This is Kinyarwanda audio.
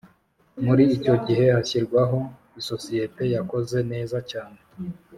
Muri icyo gihe hashyirwaho isosiyete yakoze neza cyane